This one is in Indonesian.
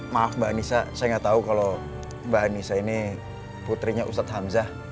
maaf mbak nisa saya gak tau kalau mbak nisa ini putrinya ustadz hamzah